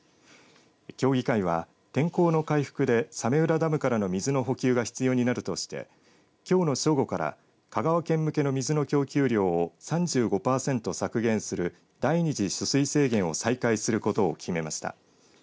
協議会は天候の回復で早明浦ダムからの水の補給が必要になるとしてきょうの正午から香川県向けの水の供給量を３５パーセント削減する第二次取水制限を再開することを決めました。